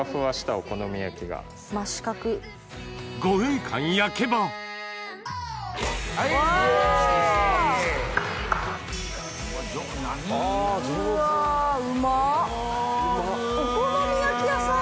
お好み焼き屋さん？